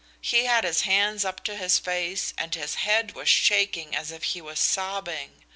He had his hands up to his face and his head was shaking as if he was sobbing.